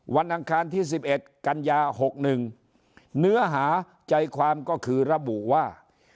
วันอังคารที่สิบเอ็ดกัญญาหกหนึ่งเนื้อหาใจความก็คือระบุว่า